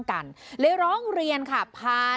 สุดทนแล้วกับเพื่อนบ้านรายนี้ที่อยู่ข้างกัน